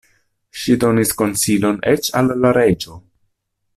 Ŝi donis konsilojn eĉ al la reĝo.